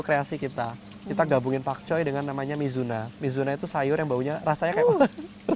kreasi kita kita gabungin pak choi dengan namanya mizuna mizuna itu sayur yang baunya rasanya kayak